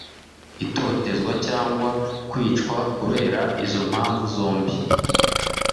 itotezwa cyangwa kwicwa kubera izo mpamvu zombi